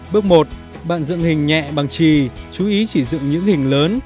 bước một bạn dựng hình nhẹ bằng trì chú ý chỉ dựng những hình lớn